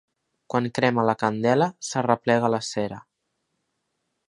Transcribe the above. Quan crema la candela, s'arreplega la cera.